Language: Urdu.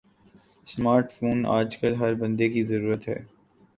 سمارٹ فون آج کل ہر بندے کی ضرورت ہے